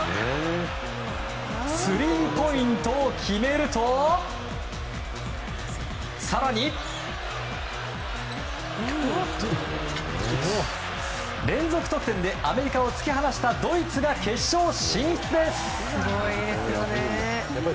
スリーポイントを決めると更に、連続得点でアメリカを突き放したドイツが決勝進出です！